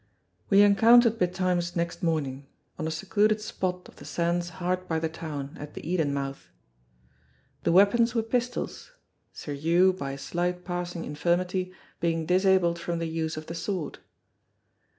We encountered betimes next morning, on a secluded spot of the sands hard by the town, at the Eden mouth. The weapons were pistols, Sir Hew, by a slight passing infirmity, being disabled from the use of the sword.